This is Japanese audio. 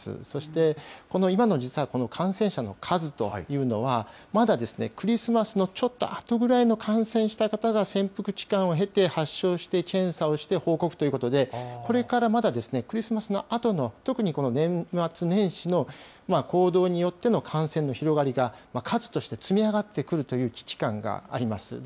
そしてこの今の実は感染者の数というのは、まだクリスマスのちょっとあとぐらいの感染した方が潜伏期間を経て発症して、検査をして、報告ということで、これからまだクリスマスのあとの、特にこの年末年始の行動によっての感染の広がりが数として積み上がってくるという危機感があります。